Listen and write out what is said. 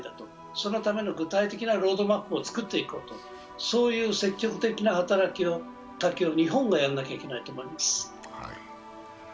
そのための具体的なロードマップを作っていこうと、そういう積極的な働きかけを日本がやらないといけないと思います。